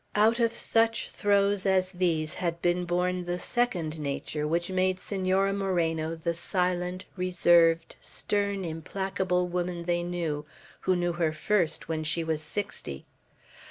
Out of such throes as these had been born the second nature which made Senora Moreno the silent, reserved, stern, implacable woman they knew, who knew her first when she was sixty.